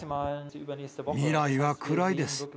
未来は暗いです。